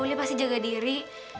lia pasti jaga diri